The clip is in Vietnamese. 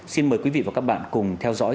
xin mời quý vị và các bạn cùng theo dõi